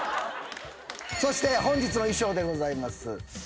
そして本日の衣装でございます。